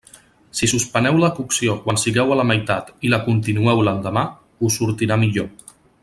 Si suspeneu la cocció quan sigueu a la meitat i la continueu l'endemà, us sortirà millor.